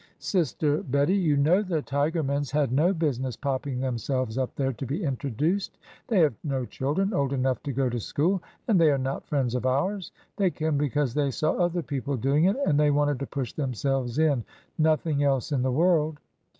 "" Sister Bettie, you know the Tigermans had no business popping themselves up there to be introduced 1 They have no children old enough to go to school. And they are not friends of ours. They came because they saw other peo ple doing it, and they wanted to push themselves in — nothing else in the world